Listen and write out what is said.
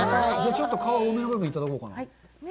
ちょっと皮多めの部分いただこうかな。